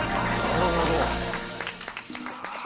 なるほど！